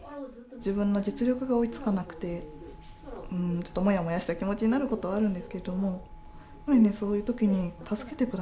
自分の実力が追いつかなくてちょっともやもやした気持ちになることはあるんですけどもそういう時に助けてくださる。